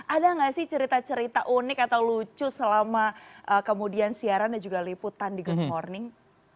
ada nggak sih cerita cerita unik atau lucu selama kemudian siaran dan juga liputan di good morning